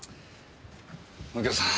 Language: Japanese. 右京さん